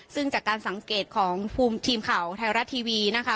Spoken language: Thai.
ซึ่งจากการสังเกตของทีมเขาไทยรัตหน่อยนะค่ะ